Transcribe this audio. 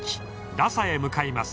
ラサへ向かいます。